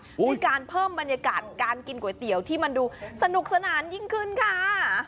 มีการเพิ่มบรรยากาศการกินก๋วยเตี๋ยวที่มันดูสนุกสนานยิ่งขึ้นค่ะ